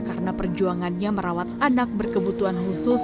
karena perjuangannya merawat anak berkebutuhan khusus